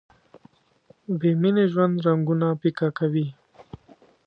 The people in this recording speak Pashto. بې مینې ژوند رنګونه پیکه کوي.